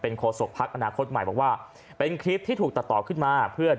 โฆษกภักดิ์อนาคตใหม่บอกว่าเป็นคลิปที่ถูกตัดต่อขึ้นมาเพื่อ